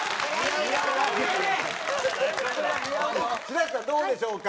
白石さんどうでしょうか？